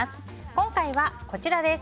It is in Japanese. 今回はこちらです。